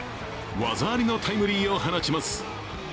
技ありのタイムリーを放ちます。